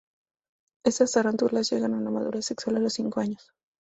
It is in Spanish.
Estas tarántulas llegan a la madurez sexual a los cinco años.